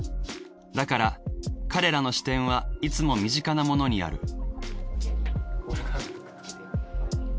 だから彼らの視点はいつも身近なものにある。